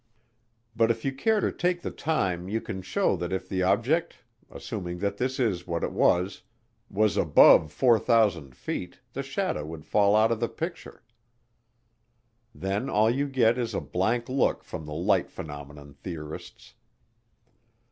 But if you care to take the time you can show that if the object, assuming that this is what it was, was above 4,000 feet the shadow would fall out of the picture. Then all you get is a blank look from the light phenomenon theorists.